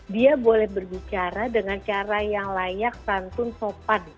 dia boleh berbicara dengan cara yang layak santun sopan